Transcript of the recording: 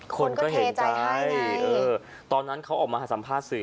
คนก็เห็นใจคนก็เทใจให้ไงเออตอนนั้นเขาออกมาสัมภาษณ์สื่อ